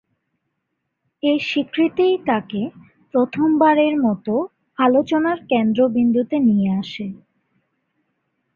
এ স্বীকৃতিই তাঁকে প্রথমবারের মতো আলোচনার কেন্দ্রবিন্দুতে নিয়ে আসে।